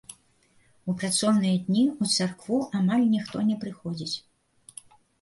У працоўныя дні ў царкву амаль ніхто не прыходзіць.